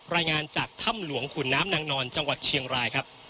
รายงานจากถ้ำหลวงขุนน้ำนางนอนจังหวัดเชียงรายครับ